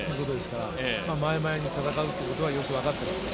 前々に行って戦うことはよくわかってます。